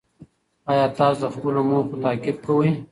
ایا تاسو د خپلو موخو تعقیب کوئ؟